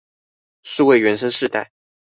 數位原生世代